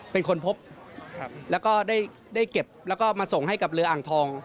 เป็นคนพบแล้วก็ได้เก็บแล้วก็มาส่งให้กับเรืออ่างทอง